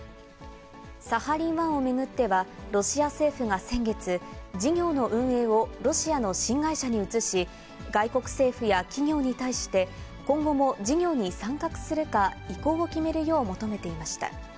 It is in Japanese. サハリン１を巡っては、ロシア政府が先月、事業の運営をロシアの新会社に移し、外国政府や企業に対して、今後も事業に参画するか意向を決めるよう求めていました。